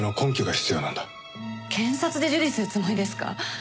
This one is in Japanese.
検察で受理するつもりですか？